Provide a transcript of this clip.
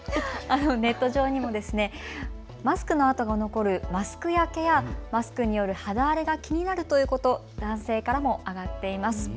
ネット上にもマスクのあとが残るマスク焼けやマスクによる肌荒れが気になるということ、男性からも上がっています。